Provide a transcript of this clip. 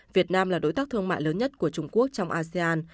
việt nam là đối tác thương mại lớn nhất của trung quốc trong asean